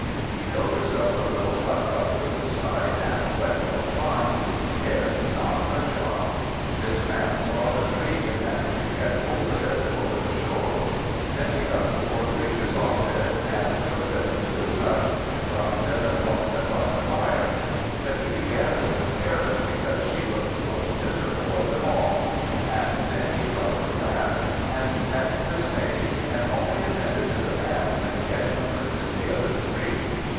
He built himself a little hut by the riverside, and, wet or fine, he cared not a jot. This man saw the tree, and managed to catch hold of it and pull it ashore. Then he got the four creatures off it, and took them into his hut, and dried them and warmed them by the fire. But he began with the Parrot, because she looked the most miserable of them all; and then he dried the Rat; and next the Snake; and only attended to the man when he had comforted the other three.